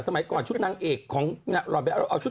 สมัยก่อนชุดนางเอกของหล่อนไปเอาชุด